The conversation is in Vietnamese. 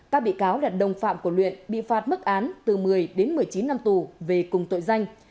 các bị cáo là đồng phạm của luyện bị phạt mức án từ một mươi đến một mươi chín năm tù về cùng tội danh